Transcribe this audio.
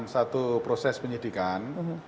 satu proses penyidikan